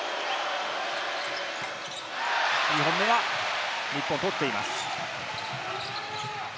２本目は、日本取っています。